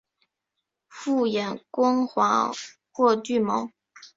复眼光滑或具毛。